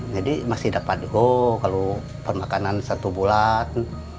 jadi masih dapat juga kalau permakanan satu bulan